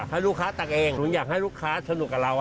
ให้ลูกค้าตักเองหนูอยากให้ลูกค้าสนุกกับเรา